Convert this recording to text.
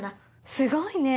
すごいね。